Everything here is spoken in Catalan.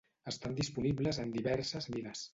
Estan disponibles en diverses mides.